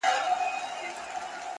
ټولنه چوپتيا ته ترجېح ورکوي تل-